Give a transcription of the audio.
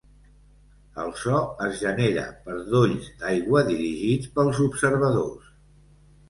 El so es genera per dolls d'aigua dirigits pels observadors.